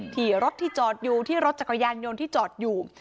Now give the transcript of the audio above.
ที่รถที่จอดอยู่ที่รถจักรยานยนต์ที่จอดอยู่